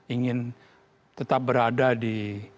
ingin tetap berada di